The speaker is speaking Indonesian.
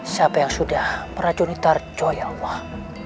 siapa yang sudah meracuni tarjo ya allah